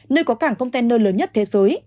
nơi có cảng container lớn nhất thế giới